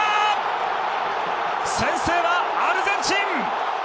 先制は、アルゼンチン！